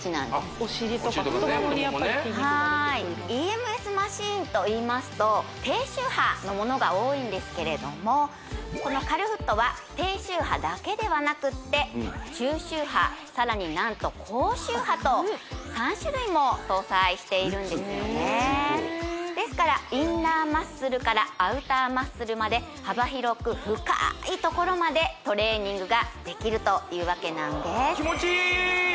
お尻とか太ももねはいＥＭＳマシンといいますと低周波のものが多いんですけれどもこのカルフットは低周波だけではなくて中周波さらに何と高周波と３種類も搭載しているんですよねですからインナーマッスルからアウターマッスルまで幅広く深いところまでトレーニングができるというわけなんです